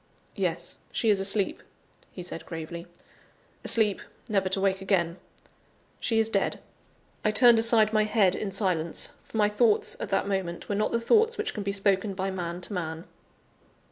"Yes, she is asleep," he said gravely; "asleep, never to wake again. She is dead." I turned aside my head in silence, for my thoughts, at that moment, were not the thoughts which can be spoken by man to man.